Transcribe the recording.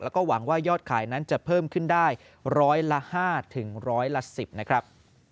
แล้วก็หวังว่ายอดขายนั้นจะเพิ่มขึ้นได้ร้อยละ๕ร้อยละ๑๐นะครับ